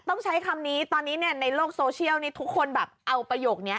ต้องใช้คำนี้ตอนนี้เนี่ยในโลกโซเชียลนี้ทุกคนแบบเอาประโยคนี้